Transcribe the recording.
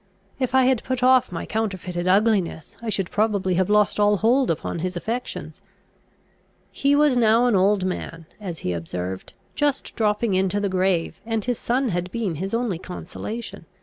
If I had put off my counterfeited ugliness, I should probably have lost all hold upon his affections. "He was now an old man," as he observed, "just dropping into the grave, and his son had been his only consolation.